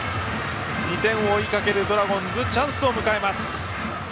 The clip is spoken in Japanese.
２点を追いかけるドラゴンズチャンスを迎えます。